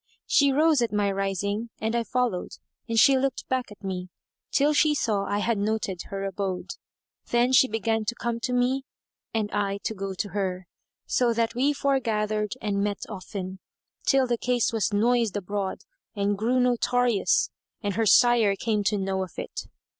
She rose at my rising, and I followed and she looked back at me, till she saw I had noted her abode. Then she began to come to me and I to go to her, so that we foregathered and met often, till the case was noised abroad and grew notorious and her sire came to know of it.